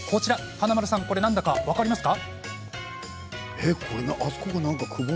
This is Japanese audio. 華丸さんこれ何だか分かりますか？